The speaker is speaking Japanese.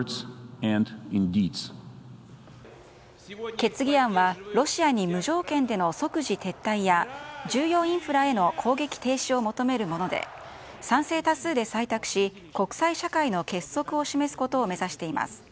決議案は、ロシアに無条件での即時撤退や重要インフラへの攻撃停止を求めるもので賛成多数で採択し国際社会の結束を示すことを目指しています。